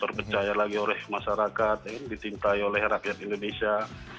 terpercaya lagi oleh masyarakat ingin ditintai oleh rakyat indonesia